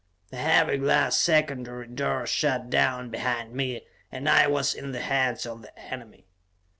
The heavy glass secondary door shot down behind me, and I was in the hands of the enemy.